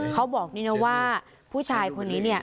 เขาบอกนี่นะว่าผู้ชายคนนี้เนี่ย